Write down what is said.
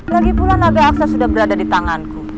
lagi pula naga aksa sudah berada di tanganku